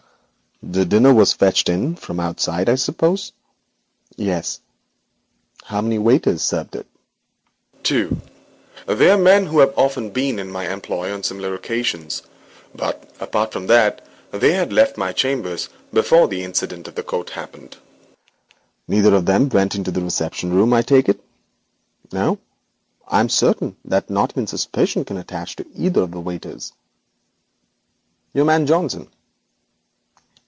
'The dinner was fetched in from outside, I suppose?' 'Yes.' 'How many waiters served it?' 'Two. They are men who have often been in my employ on similar occasions, but, apart from that, they had left my chambers before the incident of the coat happened.' 'Neither of them went into the reception room, I take it?' 'No. I am certain that not even suspicion can attach to either of the waiters.' 'Your man Johnson